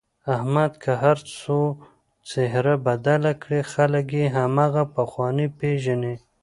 احمد که هرڅو څهره بدله کړي خلک یې هماغه پخوانی پېژني.